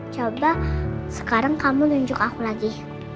coba sekarang kamu nunjuk aku lagi